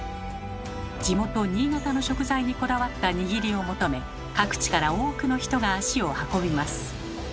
地元新潟の食材にこだわった握りを求め各地から多くの人が足を運びます。